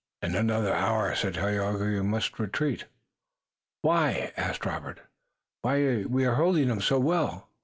"In another hour," said Tayoga, "we must retreat." "Why?" asked Robert. "When we're holding 'em so well?"